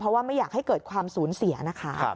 เพราะว่าไม่อยากให้เกิดความสูญเสียนะคะ